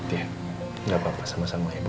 ya gak apa apa sama sama ya bu